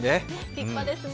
立派ですね。